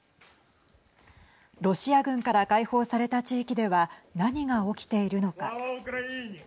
ロシア軍から解放された地域では何が起きているのか。